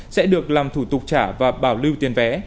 sẽ được làm thủ tục trả và bảo lưu tiền vé